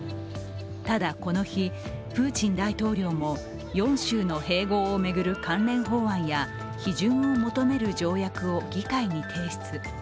ただこの日、プーチン大統領も４州の併合を巡る関連法案や批准を求める条約を議会に提出。